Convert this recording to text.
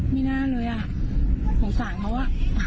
ไม่น่าเลยสงสารเขา